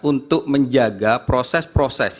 untuk menjaga proses proses